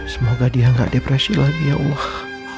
semoga dia gak depresi lagi ya allah